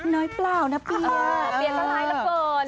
น้อยเปล่านะเปียเปียละลายระเบิน